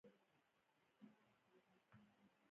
دوی ځان یې شیورتیلي ته رسولی وو.